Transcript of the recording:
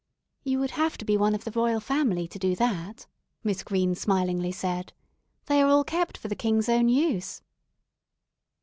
"You would have to be one of the Royal Family to do that," Miss Green smilingly said. "They are all kept for the king's own use."